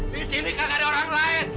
di sini gak ada orang lain